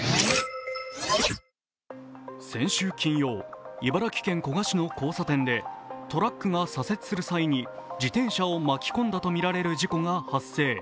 先週金曜、茨城県古河市の交差点でトラックが左折する際に自転車を巻き込んだとみられる事故が発生。